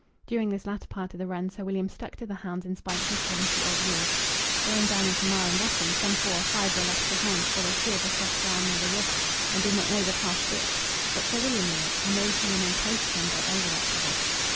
During this latter part of the run Sir William stuck to the hounds in spite of his seventy odd years. Going down into Marham Bottom, some four or five were left behind, for they feared the soft ground near the river, and did not know the pass through it. But Sir William knew it, and those who remained close to him got over that trouble.